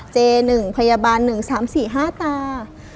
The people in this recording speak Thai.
เจหนึ่งพยาบาลหนึ่งสามสี่ห้าตา